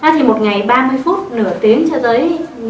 thì một ngày ba mươi phút nửa tiếng cho tới